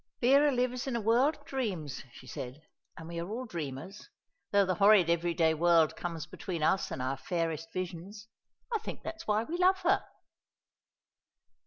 "Vera lives in a world of dreams," she said, "and we are all dreamers, though the horrid everyday world comes between us and our fairest visions. I think that's why we love her."